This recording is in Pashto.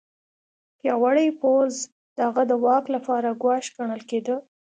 پیاوړی پوځ د هغه د واک لپاره ګواښ ګڼل کېده.